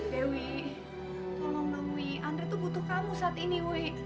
dewi tolonglah andrei butuh kamu saat ini